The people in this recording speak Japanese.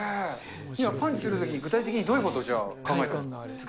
今、パンチするときに具体的にどういうことを考えたんですか？